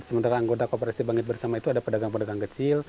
sementara anggota koperasi bangkit bersama itu ada pedagang pedagang kecil